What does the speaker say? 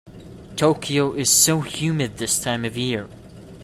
Tokyo is so humid this time of year.